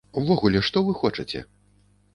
Увогуле, што вы хочаце?